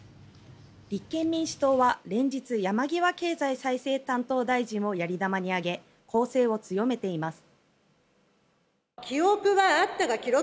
立憲民主党は連日山際経済再生担当大臣をやり玉に挙げ攻勢を強めています。